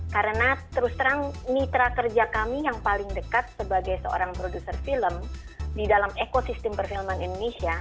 karena terus terang mitra kerja kami yang paling dekat sebagai seorang produser film di dalam ekosistem perfilman indonesia